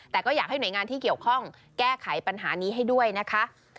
แต่ก็อยากให้หน่วยงานที่เกี่ยวข้องแก้ไขปัญหานี้ให้ด้วยนะคะ